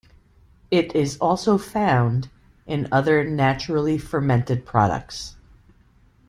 It is also found in other naturally fermented products.